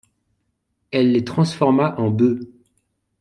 Elle les transforma en bœufs.